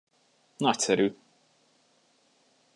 Nagyszerű.